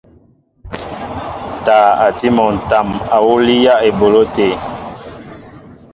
Taa a tí mol ǹtam awǔ líyá eboló te.